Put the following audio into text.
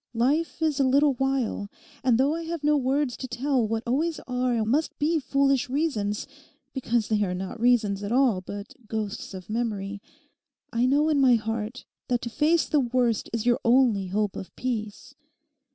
Life is a little while. And though I have no words to tell what always are and must be foolish reasons because they are not reasons at all but ghosts of memory, I know in my heart that to face the worst is your only hope of peace.